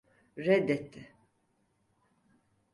Reddetti.